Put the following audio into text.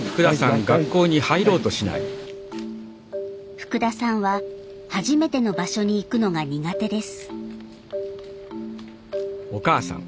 福田さんは初めての場所に行くのが苦手です。